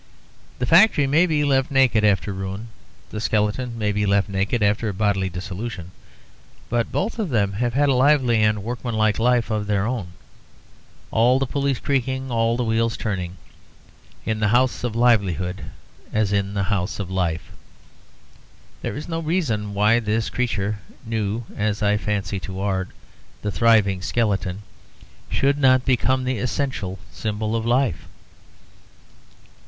The factory may be left naked after ruin, the skeleton may be left naked after bodily dissolution; but both of them have had a lively and workmanlike life of their own, all the pulleys creaking, all the wheels turning, in the House of Livelihood as in the House of Life. There is no reason why this creature (new, as I fancy, to art), the living skeleton, should not become the essential symbol of life.